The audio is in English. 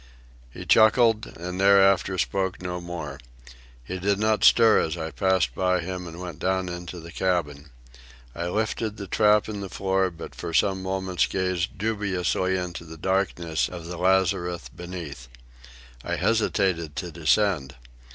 He chuckled, and thereafter spoke no more. He did not stir as I passed by him and went down into the cabin. I lifted the trap in the floor, but for some moments gazed dubiously into the darkness of the lazarette beneath. I hesitated to descend.